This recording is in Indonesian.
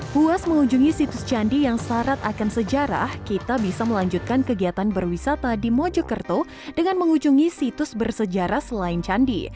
puas mengunjungi situs candi yang syarat akan sejarah kita bisa melanjutkan kegiatan berwisata di mojokerto dengan mengunjungi situs bersejarah selain candi